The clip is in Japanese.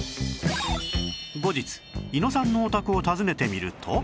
後日猪野さんのお宅を訪ねてみると